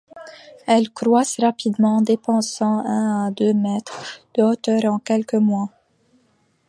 Elles croissent rapidement, dépassant un à deux mètres de hauteur en quelques mois.